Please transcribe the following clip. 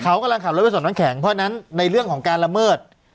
เขากำลังขับรถไปส่งน้ำแข็งเพราะฉะนั้นในเรื่องของการละเมิด